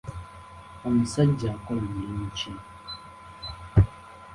Omusajja akola mulimu ki?